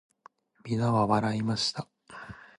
皆は笑いました。